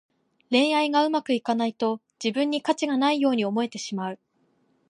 恋愛がうまくいかないと、自分に価値がないように思えてしまう。